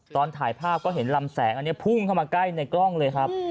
ตอนถ่ายภาพก็เห็นลำแสงอันนี้พุ่งเข้ามาใกล้ในกล้องเลยครับ